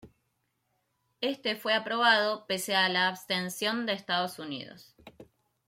Este fue aprobado pese a la abstención de Estados Unidos.